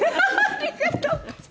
ありがとう。